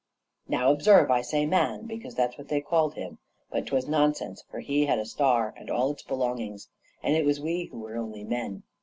Now observe, I say man because that's what they called him; but 'twas nonsense, for he had a star and all its belongings; it was we who were only men.